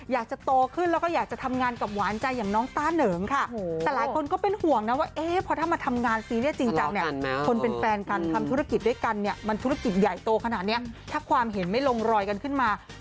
อยากจะโตขึ้นแล้วก็อยากจะทำงานกับหวานใจอย่างน้องตาระเหิงค่ะ